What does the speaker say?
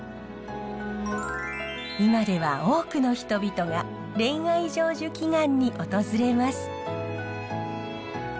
今では多くの人々が恋愛成就祈願に訪れます。